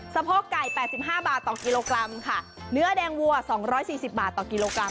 โพกไก่แปดสิบห้าบาทต่อกิโลกรัมค่ะเนื้อแดงวัวสองร้อยสี่สิบบาทต่อกิโลกรั